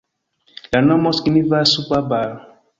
La nomo signifas suba Bar.